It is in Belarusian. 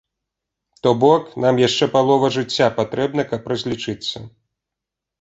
То бок, нам яшчэ палова жыцця патрэбна, каб разлічыцца.